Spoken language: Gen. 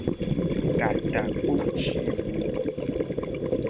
Ka takpo ci wo.